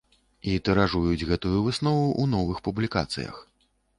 І тыражуюць гэтую выснову ў новых публікацыях.